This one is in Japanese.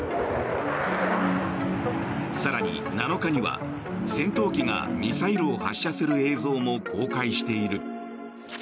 更に７日には戦闘機がミサイルを発射する映像も公開している。